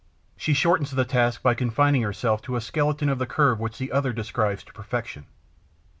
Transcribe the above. She shortens the task by confining herself to a skeleton of the curve which the other describes to perfection.